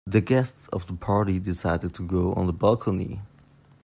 The guests of the party decided to go on the balcony.